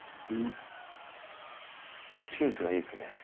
チーズがいいですね。